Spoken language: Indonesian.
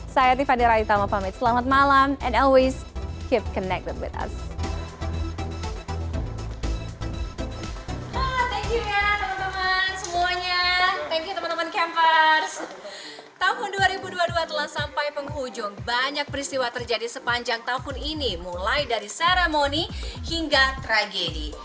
sampai penghujung banyak peristiwa terjadi sepanjang tahun ini mulai dari seremoni hingga tragedi